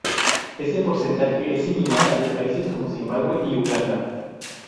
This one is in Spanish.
Ese porcentaje es similar al de países como Zimbabue y Uganda.